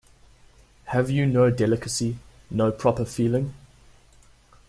Have you no delicacy, no proper feeling?